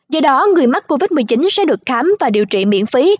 do đó người mắc covid một mươi chín sẽ được khám và điều trị miễn phí